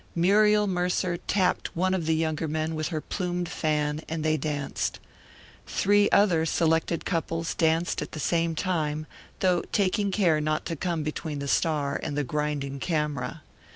Muriel Mercer tapped one of the younger men with her plumed fan and they danced. Three other selected couples danced at the same time, though taking care not to come between the star and the grinding camera.